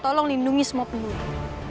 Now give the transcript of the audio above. tolong lindungi semua penuh